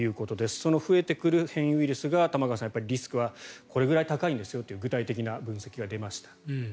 その増えてくる変異ウイルスがそのリスクがこれくらい高いという具体的な分析が出ました。